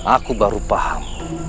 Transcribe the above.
aku baru paham